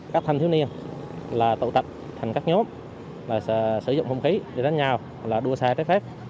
các thành thiếu niên là tội tạch thành các nhóm sử dụng không khí để đánh nhau đua xe trái phép